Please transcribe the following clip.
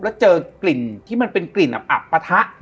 แล้วเจอกลิ่นที่มันเป็นกลิ่นอับปะทะ